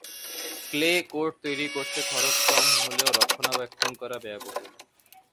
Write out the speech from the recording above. Clay court তৈরি করতে খরচ কম হলেও রক্ষণাবেক্ষণ করা ব্যয়বহুল।